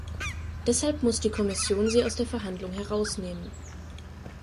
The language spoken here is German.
Deshalb muss die Kommission sie aus den Verhandlungen herausnehmen.